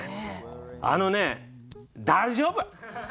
あのね、大丈夫！